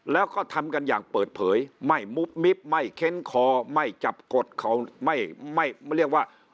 แล้วก็ทำกันอย่างเปิดเผยไม่มุฒนมิบไม่เค้นคอไม่จับกระติเขา